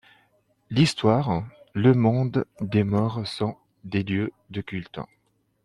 L'histoire, le monde des morts sont des lieux de culte.